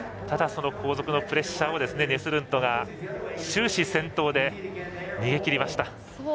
ただ、後続のプレッシャーをネスルントが終始、先頭で逃げきりました。